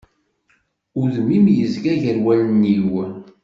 Udem-im yezga gar wallen-iw.